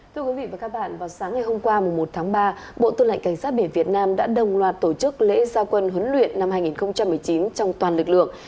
thưa quý vị và các bạn vào sáng ngày hôm qua một tháng ba bộ tư lệnh cảnh sát biển việt nam đã đồng loạt tổ chức lễ gia quân huấn luyện năm hai nghìn một mươi chín trong toàn lực lượng